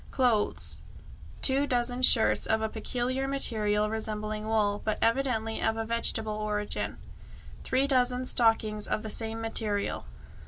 Clothes: 2 dozen shirts of a peculiar material resembling wool, but evidently of a vegetable origin; 3 dozen stockings of the same material.